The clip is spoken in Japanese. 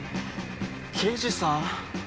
刑事さん？